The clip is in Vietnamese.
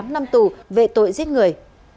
một mươi tám năm tù vệ tội giết người